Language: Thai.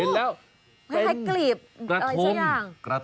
ไม่ใครกรีบอะไรสักอย่าง